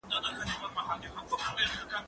زه اجازه لرم چي ونې ته اوبه ورکړم!؟